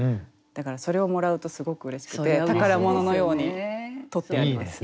だからそれをもらうとすごくうれしくて宝物のように取ってあります。